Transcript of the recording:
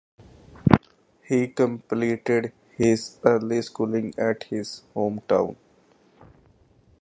He completed his early schooling at his hometown.